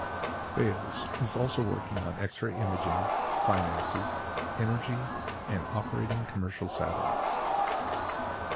Thales is also working on X-ray imaging, finances, energy and operating commercial satellites.